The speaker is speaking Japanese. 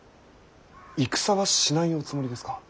戦はしないおつもりですか。